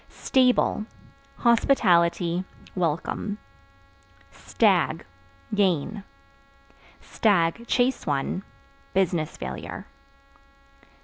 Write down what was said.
Stable Hospitality, welcome. Stag Gain; (chase one) business failure.